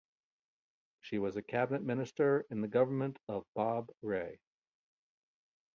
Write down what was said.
She was a cabinet minister in the government of Bob Rae.